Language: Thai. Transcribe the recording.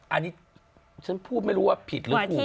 อันนี้ฉันพูดไม่รู้ว่าผิดหรือถูก